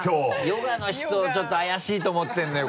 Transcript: ヨガの人ちょっと怪しいと思ってるのよ